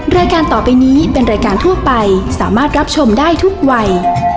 รายการต่อไปนี้เป็นรายการทั่วไปสามารถรับชมได้ทุกวัย